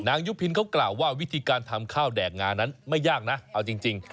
ยุพินเขากล่าวว่าวิธีการทำข้าวแดกงานั้นไม่ยากนะเอาจริง